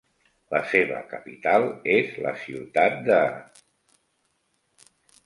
La seva capital és la ciutat de.